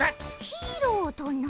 ヒーローとな？